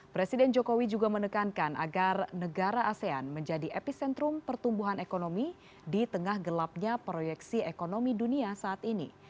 presiden jokowi juga menekankan agar negara asean menjadi epicentrum pertumbuhan ekonomi di tengah gelapnya proyeksi ekonomi dunia saat ini